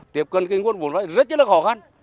tiếp cận các nguồn vốn vai rất là khó khăn